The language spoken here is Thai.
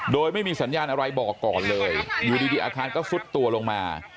โดยไม่มีสัญญาณอะไรบอกก่อนเลยอยู่ดีอาคารก็ซุดตัวลงมา